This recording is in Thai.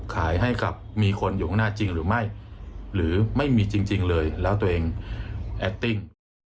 ขายให้กับมีคนอยู่ข้างหน้าจริงหรือไม่หรือไม่มีจริงเลยแล้วตัวเองแอคติ้ง